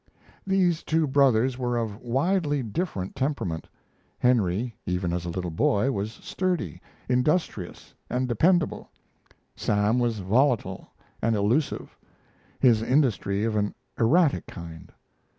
These two brothers were of widely different temperament. Henry, even as a little boy, was sturdy, industrious, and dependable. Sam was volatile and elusive; his industry of an erratic kind.